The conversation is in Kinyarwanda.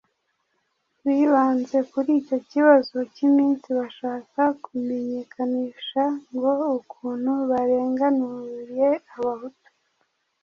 bibanze kuri icyo kibazo cy'iminsi, bashaka kumenyekanisha ngo ukuntu barenganuye Abahutu